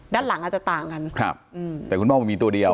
ด้านหลังอาจจะต่างกันครับอืมแต่คุณพ่อมันมีตัวเดียว